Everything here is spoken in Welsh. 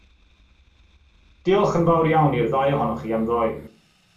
Diolch yn fawr iawn i'r ddau ohonoch chi am ddoe.